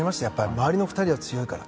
周りの２人が強いから。